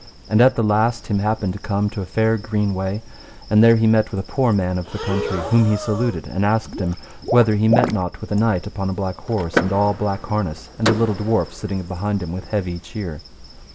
And at the last him happened to come to a fair green way, and there he met with a poor man of the country, whom he saluted and asked him whether he met not with a knight upon a black horse and all black harness, a little dwarf sitting behind him with heavy cheer.